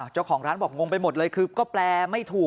เจ้าของร้านบอกงงไปหมดเลยคือก็แปลไม่ถูก